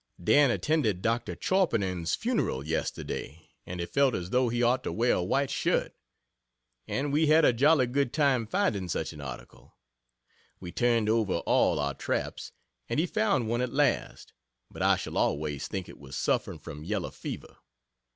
Dan attended Dr. Chorpenning's funeral yesterday, and he felt as though he ought to wear a white shirt and we had a jolly good time finding such an article. We turned over all our traps, and he found one at last but I shall always think it was suffering from yellow fever.